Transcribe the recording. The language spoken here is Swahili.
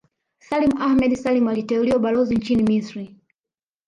Salim Ahmed Salim aliteuliwa Balozi nchini Misri